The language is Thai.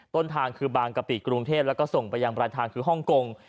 ต้นทางคือบางกะปิกรุงเทพแล้วก็ส่งไปยังปลายทางคือฮ่องกง